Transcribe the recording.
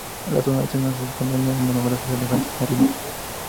La zona del seno es colonia de numerosos elefantes marinos.